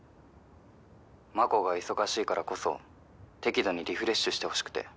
「真心が忙しいからこそ適度にリフレッシュしてほしくて」